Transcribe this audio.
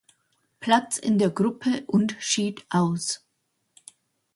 Platz in der Gruppe und schied aus.